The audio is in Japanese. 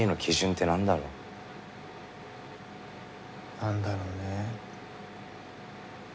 何だろうね。